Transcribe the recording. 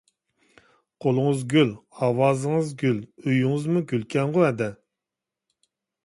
قولىڭىز گۈل، ئاۋازىڭىز گۈل، ئۆيىڭىزمۇ گۈلكەنغۇ ھەدە.